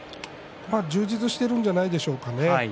充実しているんじゃないでしょうかね。